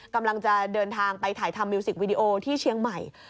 กำลังจะเดินทางไปถ่ายทำมิวสิกวีดีโอที่เชียงใหม่